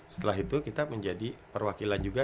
setelah itu kita menjadi perwakilan juga